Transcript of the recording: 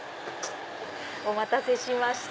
お待たせしました